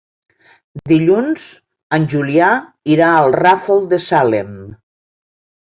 Dilluns en Julià irà al Ràfol de Salem.